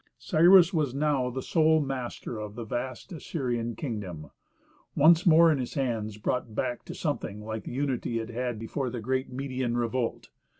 Cyrus was now the sole master of the vast Assyrian Kingdom, once more in his hands brought back to something like the unity it had before the great Median revolt.